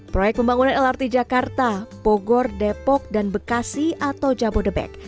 proyek pembangunan lrt jakarta bogor depok dan bekasi atau jabodebek